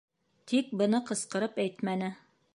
Тик быны ҡысҡырып әйтмәне.